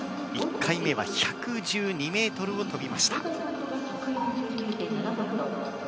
１回目は１１２ｍを飛びました。